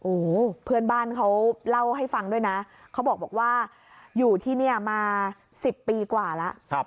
โอ้โหเพื่อนบ้านเขาเล่าให้ฟังด้วยนะเขาบอกว่าอยู่ที่นี่มา๑๐ปีกว่าแล้ว